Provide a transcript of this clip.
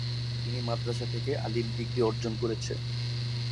তিনি মাদ্রাসা থেকে আলিম ডিগ্রি অর্জন করেছে।